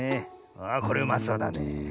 ああこれうまそうだねえ。